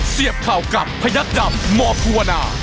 เสียบเข่ากับพยักดำมภาวนา